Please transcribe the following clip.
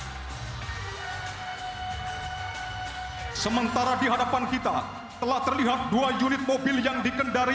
hai sementara di hadapan kita telah terlihat dua unit mobil yang dikendari